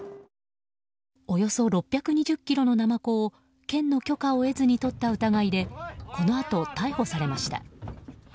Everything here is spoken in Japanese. およそ６２０ｋｇのナマコを県の許可を得ずにとった疑いでこのあと逮捕されました。